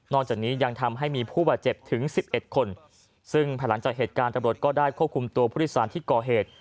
จากนี้ยังทำให้มีผู้บาดเจ็บถึงสิบเอ็ดคนซึ่งภายหลังจากเหตุการณ์ตำรวจก็ได้ควบคุมตัวผู้โดยสารที่ก่อเหตุ